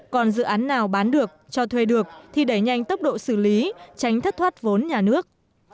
còn dự án nào bán được cho thuê được thì đẩy nhanh tốc độ xử lý tránh thất thoát vốn nhà nước